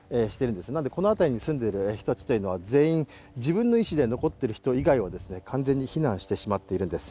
ですので、この辺りに住んでいる人たちは全員、自分の意思で残っている人以外は完全に避難してしまっているんです。